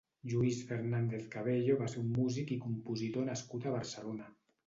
Lluís Fernández Cabello va ser un músic i compositor nascut a Barcelona.